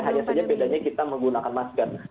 hanya saja bedanya kita menggunakan masker